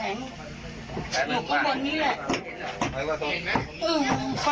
ติดเตียงได้ยินเสียงลูกสาวต้องโทรโทรศัพท์ไปหาคนมาช่วย